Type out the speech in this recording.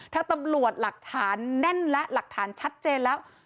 ถ้าตำรวจหลักฐานแน่นและหลักฐานชัดเจนแล้ว